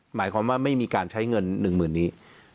หมายความว่าไม่มีการใช้เงินหนึ่งหมื่นนี้